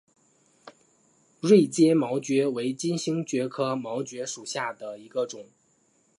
锐尖毛蕨为金星蕨科毛蕨属下的一个种。